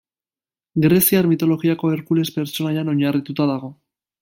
Greziar mitologiako Herkules pertsonaian oinarritua dago.